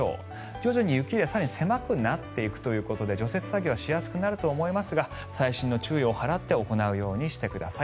徐々に雪エリア更に狭くなっていくということで除雪作業はしやすくなると思いますが細心の注意を払って行うようにしてください。